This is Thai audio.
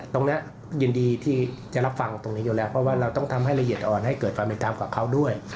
ตรงนี้ยินดีที่จะรับฟังตรงนี้อยู่แล้วเพราะว่าเราต้องทำให้ละเอียดอ่อนให้เกิดความเป็นธรรมกับเขาด้วย